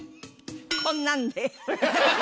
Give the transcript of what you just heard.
こんなんで。